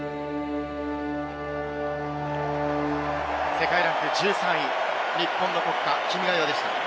世界ランク１３位、日本の国歌『君が代』でした。